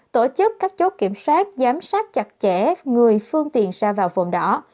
tổ chức các chốt kiểm soát giám sát chặt chẽ người phương tiện ra vào vườn đỏ